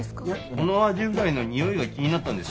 このアジフライのにおいが気になったんです